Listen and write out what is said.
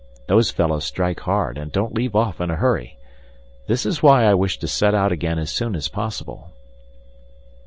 Those fellows strike hard, and don't leave off in a hurry. This is why I wish to set out again as soon as possible."